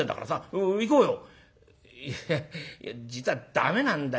「いや実はダメなんだよ。